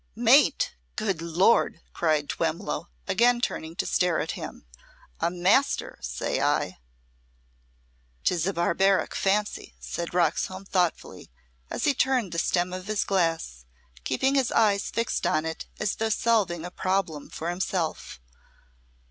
"Mate, good Lord!" cried Twemlow, again turning to stare at him. "A master, say I." "'Tis a barbaric fancy," said Roxholm thoughtfully as he turned the stem of his glass, keeping his eyes fixed on it as though solving a problem for himself.